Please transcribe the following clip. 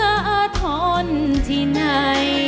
เพลงแรกของเจ้าเอ๋ง